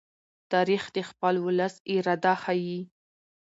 تاریخ د خپل ولس اراده ښيي.